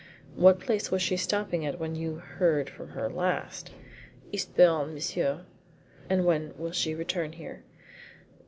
"What place was she stopping at when you heard from her last?" "Eastbourne, monsieur." "And when will she return here?"